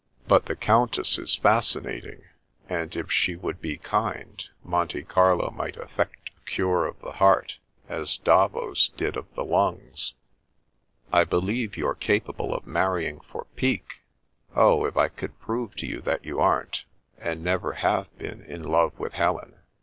" But the Countess is fas cinating, and if she would be kind, Monte Carlo might effect a cure of the heart, as Davos did of the lungs." " I believe you're capable of manning for pique. Oh, if I could prove to you that you aren't, and never have been, in love with Helen